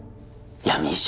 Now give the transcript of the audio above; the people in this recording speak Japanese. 闇医者？